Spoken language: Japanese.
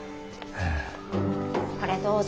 これどうぞ。